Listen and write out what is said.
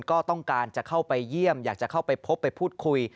ก็ต้องการจะเข้าไปเยี่ยมอยากจะเข้าไปพบไปพูดคุย